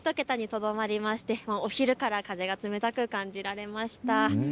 １桁にとどまりましてお昼から風が冷たく感じられました。